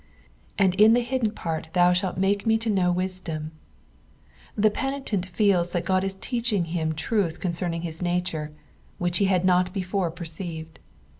^^And in the hidden part thou ihalt m/iie me to inoiii wiidom," The penitent feels that God ia teaching him truth concerning hia nature, which he had not before perceived.